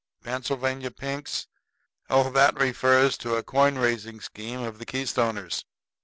"Pennsylvania pinks? Oh, that refers to a coin raising scheme of the Keystoners.